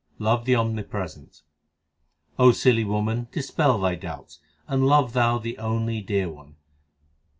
Love the Omnipresent : O silly woman, dispel thy doubts, and love thou the only dear One.